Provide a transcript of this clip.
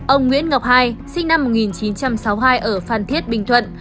ông nguyễn ngọc hai sinh năm một nghìn chín trăm sáu mươi hai ở phan thiết bình thuận